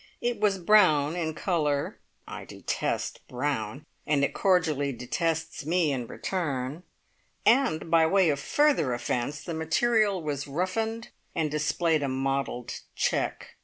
It was brown in colour I detest brown, and it cordially detests me in return and by way of further offence the material was roughened and displayed a mottled check.